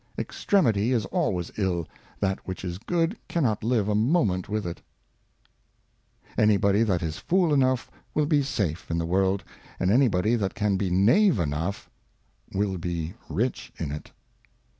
EXTREMITY is always ill, that which is good cannot live Eictreme.s. a Moment with it. Any body that is Fool enough will be safe in the World, and any body that can be Knave enough will be rich in it.